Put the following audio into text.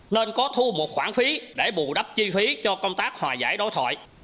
nên có thu một khoản phí để bù đắp chi phí cho công tác hòa giải đối thoại